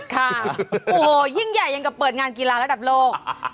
ค่ะโอ้โหยิ่งใหญ่อย่างกับเปิดงานกีฬาระดับโลก